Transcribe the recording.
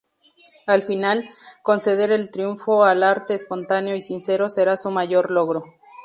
Al final, conceder el triunfo al arte espontáneo y sincero será su mayor logro.